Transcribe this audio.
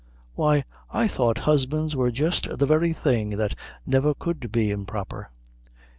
Why, I thought husbands were just the very things that never could be improper."